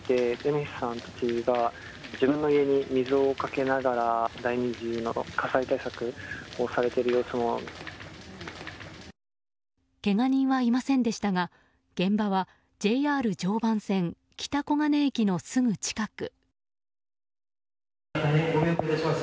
けが人はいませんでしたが現場はＪＲ常磐線北小金駅のすぐ近く。